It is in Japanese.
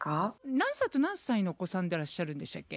何歳と何歳のお子さんでらっしゃるんでしたっけ？